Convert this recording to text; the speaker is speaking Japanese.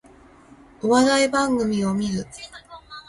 お笑い番組を観る